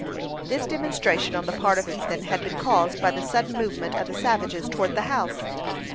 This demonstration on the part of Ethan had been caused by the sudden movement of the savages towards the house.